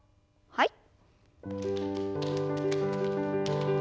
はい。